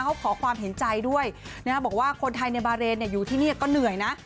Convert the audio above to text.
เขาขอความเห็นใจด้วยบอกว่าคนไทยในบาเรนอยู่ที่นี่ก็เหนื่อยนะ